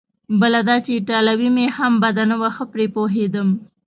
بله دا چې ایټالوي مې هم بده نه وه، ښه پرې پوهېدم.